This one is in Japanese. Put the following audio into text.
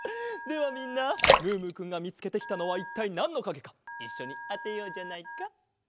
ではみんなムームーくんがみつけてきたのはいったいなんのかげかいっしょにあてようじゃないか。